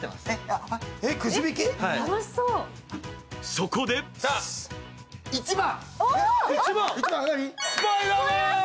そこで１番！